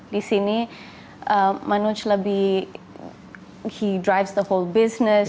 di sini manoj lebih dia mengarahkan seluruh bisnis